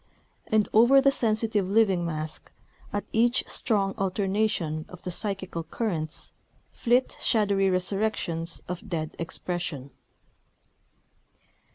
And over the sensitive living mask, at each strong alternation of the psychical currents, flit shadowy resurrections of dead expression.